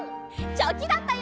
チョキだったよ。